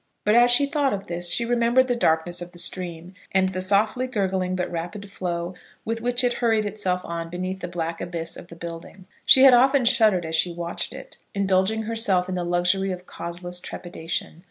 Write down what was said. But, as she thought of this, she remembered the darkness of the stream, and the softly gurgling but rapid flow with which it hurried itself on beneath the black abyss of the building. She had often shuddered as she watched it, indulging herself in the luxury of causeless trepidation.